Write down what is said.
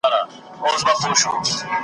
او چي مات یې له غمونو سړي یو په یو ورکیږي .